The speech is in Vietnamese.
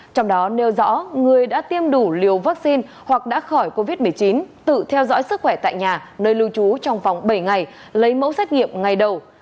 bộ y tế đã tiêm đủ liều vaccine hoặc đã khỏi covid một mươi chín tự theo dõi sức khỏe tại nhà nơi lưu trú trong vòng bảy ngày lấy mẫu xét nghiệm ngày đầu